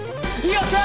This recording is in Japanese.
よっしゃ！